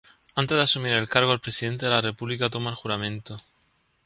Antes de asumir el cargo, el presidente de la República toma el juramento.